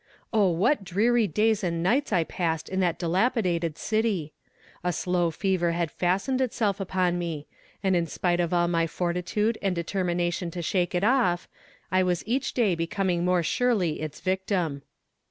Oh what dreary days and nights I passed in that dilapidated city! A slow fever had fastened itself upon me, and in spite of all my fortitude and determination to shake it off, I was each day becoming more surely its victim.